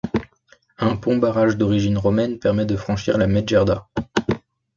Un pont-barrage d'origine romaine permet de franchir la Medjerda.